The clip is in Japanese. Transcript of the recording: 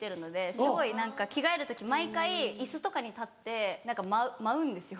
すごい何か着替える時毎回椅子とかに立って何か舞うんですよ